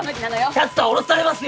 キャスター降ろされますよ！